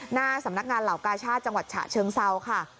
หน้าสำนักงานเหล่ากาชาติจังหวัดฉะเชิงเซาค่ะ